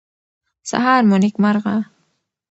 سهار مو نیکمرغه